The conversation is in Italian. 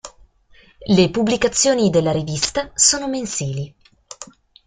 Le pubblicazioni della rivista sono mensili.